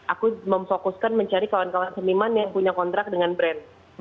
aku memfokuskan mencari kawan kawan seniman yang punya kontrak dengan brand